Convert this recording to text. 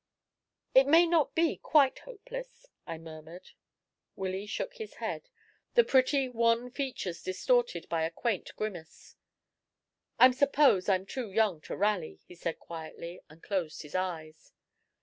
"It may not be quite hopeless," I murmured. Willy shook his head, the pretty, wan features distorted by a quaint grimace. "I suppose I'm too young to rally," he said quietly, and closed his eyes.